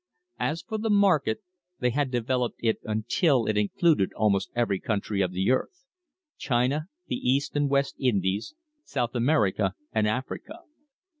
* As for the market, they had developed it until it included almost every country of the earth — China, the East and West Indies, South America and Africa.